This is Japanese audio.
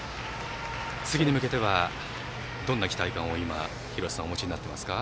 次に向けてはどんな期待感を廣瀬さんはお持ちになってますか。